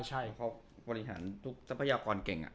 ใช่เขาบริหารทุกทรัพยากรเก่ง